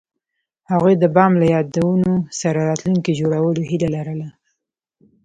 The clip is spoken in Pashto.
هغوی د بام له یادونو سره راتلونکی جوړولو هیله لرله.